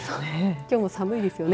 きょうも寒いですよね。